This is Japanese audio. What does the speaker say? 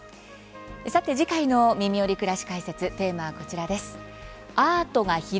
さて次回の「みみより！くらし解説」テーマはこちらです。